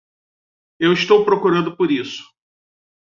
Eu estou procurando por isso.